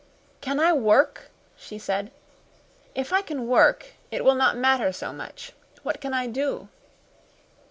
"Can I work?" she said. "If I can work it will not matter so much. What can I do?"